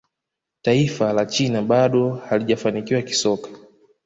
taifa la china bado halijafanikiwa kisoka